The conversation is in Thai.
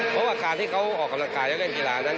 เพราะว่าการที่เขาออกกำลังกายและเล่นกีฬานั้น